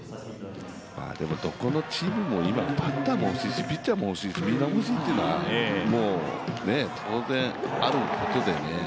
でもどこのチームもバッターも欲しいし、ピッチャーも欲しいしみんな欲しいというのは当然あることでね。